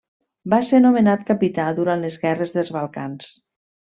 Va ser nomenat capità durant les Guerres dels Balcans.